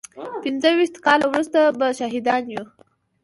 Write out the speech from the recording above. پينځه ويشت کاله وروسته به شاهدان يو.